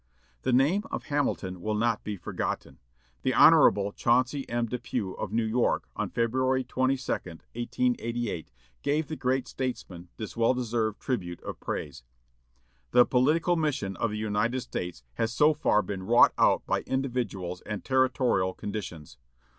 The name of Hamilton will not be forgotten. The Hon. Chauncey M. Depew of New York, on February 22, 1888, gave the great statesman this well deserved tribute of praise: "The political mission of the United States has so far been wrought out by individuals and territorial conditions.